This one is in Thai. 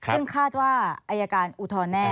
ซึ่งคาดว่าอัยการอุทอนแน่